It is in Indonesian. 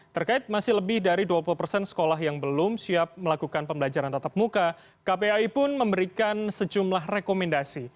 terkait masih lebih dari dua puluh persen sekolah yang belum siap melakukan pembelajaran tatap muka kpai pun memberikan sejumlah rekomendasi